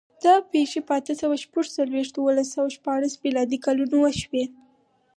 دا پېښې په اته سوه شپږ څلوېښت او لس سوه شپاړس میلادي کلونو وشوې.